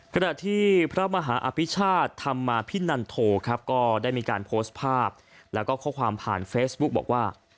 ขณะที่พระมหาอภิชาธรรมพินันโถได้มีการโพสต์ภาพและข้อความผ่านเฟสบุ๊คบอกว่า